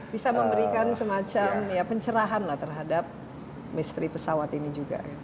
bisa memberikan semacam pencerahan lah terhadap misteri pesawat ini juga